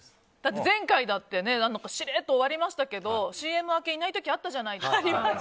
前回だってしれっと終わりましたけどＣＭ明け、いない時あったじゃないですか。